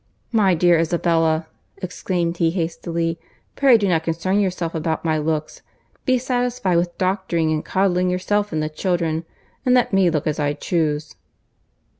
"My dear Isabella,"—exclaimed he hastily—"pray do not concern yourself about my looks. Be satisfied with doctoring and coddling yourself and the children, and let me look as I chuse."